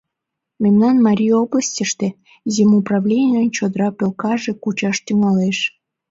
Мемнан Марий областьыште земуправленийын чодыра пӧлкаже кучаш тӱҥалеш.